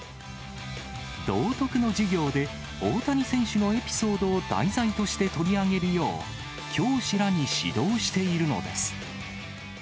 道徳の授業で、大谷選手のエピソードを題材として取り上げるよう、教師らに指導しているのです。